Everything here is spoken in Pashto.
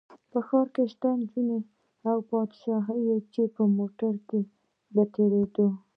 په ښار کې شته نجونې او پادشاه چې په موټر کې به تېرېده.